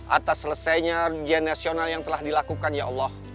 atas selesainya gian nasional yang telah dilakukan ya allah